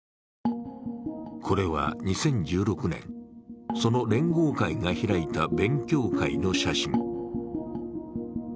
これは２０１６年、その連合会が開いた勉強会の写真。